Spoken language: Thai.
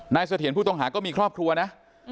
เสถียรผู้ต้องหาก็มีครอบครัวนะ